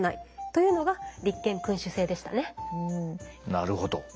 なるほど。